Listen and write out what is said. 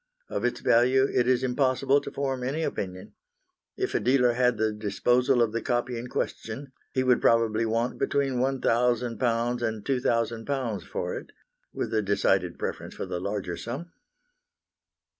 Of its value it is impossible to form any opinion. If a dealer had the disposal of the copy in question, he would probably want between £1,000 and £2,000 for it, with a decided preference for the larger sum.